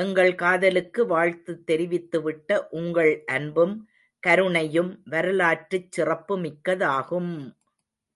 எங்கள் காதலுக்கு வாழ்த்துத் தெரிவித்துவிட்ட உங்கள் அன்பும் கருணையும் வரலாற்றுச் சிறப்புமிக்கதாகும்!